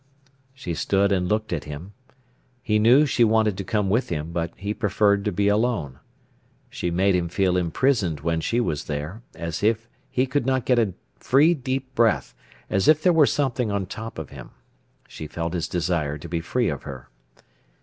She stood and looked at him. He knew she wanted to come with him, but he preferred to be alone. She made him feel imprisoned when she was there, as if he could not get a free deep breath, as if there were something on top of him. She felt his desire to be free of her.